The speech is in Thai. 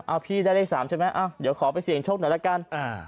อ้าวพี่ได้เลข๓ใช่ไหมเดี๋ยวขอไปเสี่ยงชกหน่อยละกัน